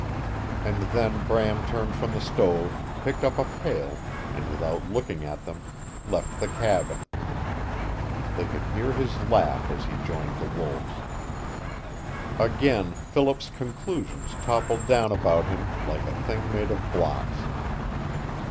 And then Bram turned from the stove, picked up a pail, and without looking at them left the cabin. They could hear his laugh as he joined the wolves. Again Philip's conclusions toppled down about him like a thing made of blocks.